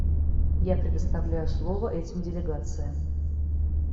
Я предоставляю слово этим делегациям.